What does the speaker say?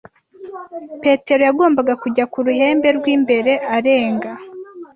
Petero yagombaga kujya ku ruhembe rw’imbere arenga